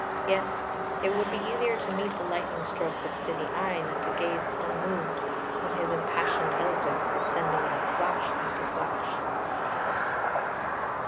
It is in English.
Yes, it would be easier to meet the lightning stroke with steady eye than to gaze unmoved when his impassioned eloquence is sending out flash after flash.